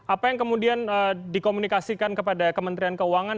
apa yang kemudian dikomunikasikan kepada kementerian keuangan